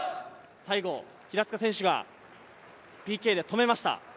最後、平塚選手がＰＫで止めました。